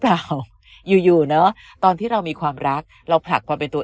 เราอยู่อยู่เนอะตอนที่เรามีความรักเราผลักความเป็นตัว